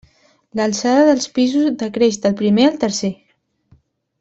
L'alçada dels pisos decreix del primer al tercer.